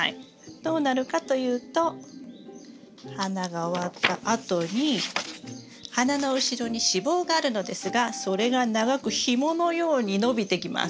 どうなるかというと花が終わったあとに花の後ろに子房があるのですがそれが長くひものように伸びてきます。